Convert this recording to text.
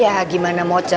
ya gimana mau ceritakan